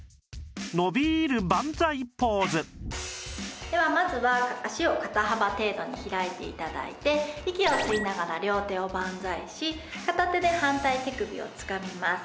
伸びるバンザイポーズではまずは足を肩幅程度に開いて頂いて息を吸いながら両手をバンザイし片手で反対手首をつかみます。